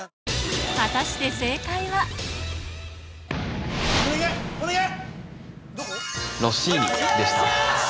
果たしてお願いお願い！